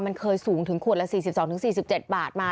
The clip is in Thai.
มันเคยสูงถึงขวดละ๔๒๔๗บาทมา